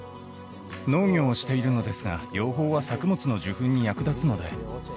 農業をしているのですが養蜂は作物の受粉に役立つので。